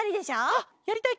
あっやりたいケロ！